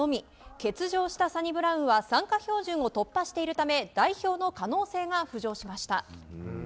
欠場したサニブラウンは参加標準を突破しているため代表の可能性が浮上しました。